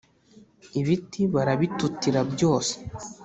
ibiti barabitutira byose